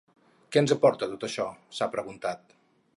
Què ens aporta tot això?, s’ha preguntat.